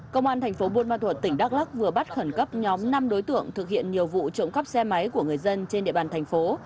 công an thành phố buôn ma thuật tỉnh đắk lắc vừa bắt khẩn cấp nhóm năm đối tượng thực hiện nhiều vụ trộm cắp xe máy của người dân trên địa bàn thành phố